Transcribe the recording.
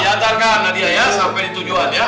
diantarkan nadia ya sampai ditujuan ya